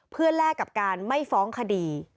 เพื่อแลกกับการไม่ฟ้องคดี